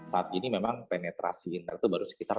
saat ini memang penetrasi internet itu baru sekitar